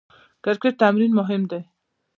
د کرکټ تمرین مهم دئ.